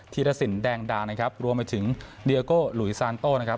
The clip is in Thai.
ีรสินแดงดานะครับรวมไปถึงเดียโก้หลุยซานโต้นะครับ